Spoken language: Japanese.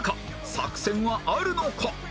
作戦はあるのか？